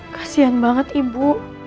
kasian banget ibu